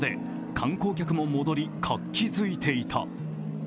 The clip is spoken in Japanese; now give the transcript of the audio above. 観光客も戻り、活気づいていた。